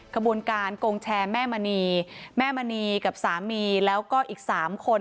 กระบวนการโกงแชร์แม่มณีแม่มณีกับสามีแล้วก็อีก๓คน